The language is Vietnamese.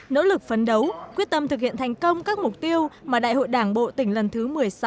nỗ lực phấn đấu quyết tâm thực hiện thành công các mục tiêu mà đại hội đảng bộ tỉnh lần thứ một mươi sáu